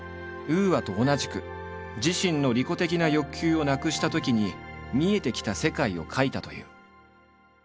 ＵＡと同じく自身の利己的な欲求をなくしたときに見えてきた世界を書いたという。